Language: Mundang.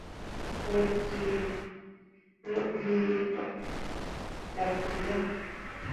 Wǝ ɗee cok gah ki yan.